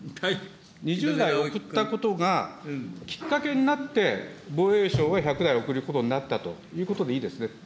２０台送ったことがきっかけになって、防衛省へ１００台送ることになったということでいいですね。